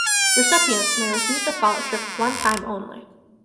Recipients may receive the scholarship one time only.